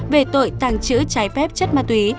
về tội tàng trữ trái phép chất ma túy